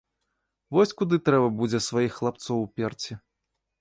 Вось куды трэба будзе сваіх хлапцоў уперці.